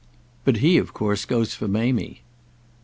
But he of course goes for Mamie."